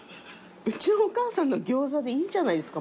うちのお母さんのギョーザでいいじゃないですか。